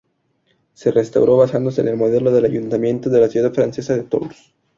Se restauró basándose en el modelo del ayuntamiento de la ciudad francesa de Tours.